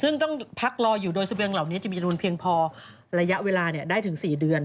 ซึ่งต้องพักรออยู่โดยเสบียงเหล่านี้จะมีจำนวนเพียงพอระยะเวลาได้ถึง๔เดือน